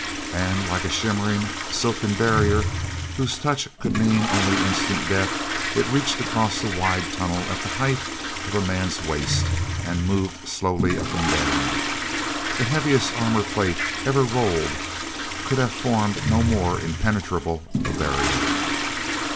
And, like a shimmering, silken barrier, whose touch could mean only instant death, it reached across the wide tunnel at the height of a man's waist and moved slowly up and down. The heaviest armor plate ever rolled could have formed no more impenetrable a barrier.